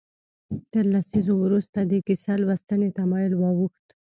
تر لسیزو وروسته د کیسه لوستنې تمایل واوښت.